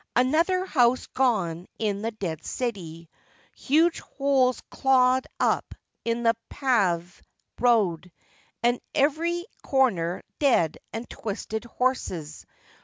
Another house gone in the dead city. Huge holes clawed up in the pave road, and in every corner dead and twisted horses.